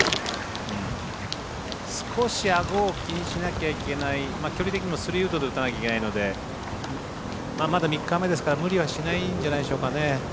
少し顎を気にしなきゃいけない距離的にも３ウッドで打たなきゃいけないのでまだ３日目ですから無理はしないんじゃないでしょうかね。